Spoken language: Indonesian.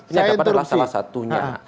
penyagapan adalah salah satunya